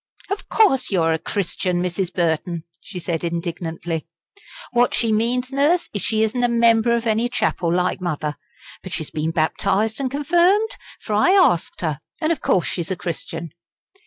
"Of course you're a Christian, Mrs. Burton," she said indignantly. "What she means, Nurse, is she isn't a 'member' of any chapel, like mother. But she's been baptised and confirmed, for I asked her. And of course she's a Christian."